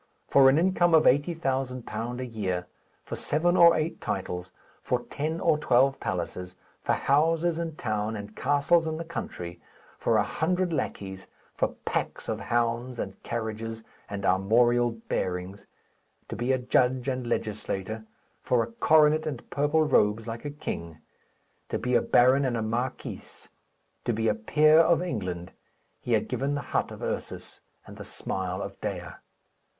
For an income of £80,000 a year; for seven or eight titles; for ten or twelve palaces; for houses in town, and castles in the country; for a hundred lackeys; for packs of hounds, and carriages, and armorial bearings; to be a judge and legislator; for a coronet and purple robes, like a king; to be a baron and a marquis; to be a peer of England, he had given the hut of Ursus and the smile of Dea.